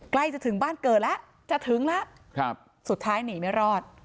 ใกล้จะถึงบ้านเกิดแล้วจะถึงแล้วสุดท้ายหนีไม่รอด